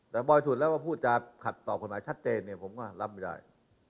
แต่บ่อยสุดแล้วก็พูดจะขัดต่อกฎหมายชัดเจนเนี่ยผมก็รับไม่ได้